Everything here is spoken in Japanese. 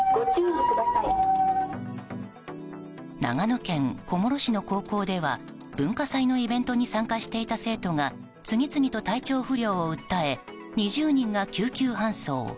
長野県小諸市の高校では文化祭のイベントに参加していた生徒が次々と体調不良を訴え２０人が救急搬送。